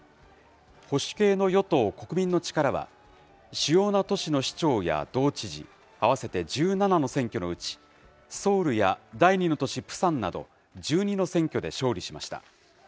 保守系の与党・国民の力は、主要な都市の市長や道知事、合わせて１７の選挙のうち、ソウルや第２の都市プサンなど、１２の選挙で勝利しました。